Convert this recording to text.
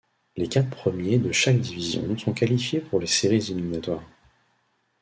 Les quatre premiers de chaque division sont qualifiés pour les séries éliminatoires.